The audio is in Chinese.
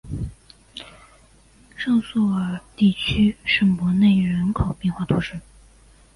尚索尔地区圣博内人口变化图示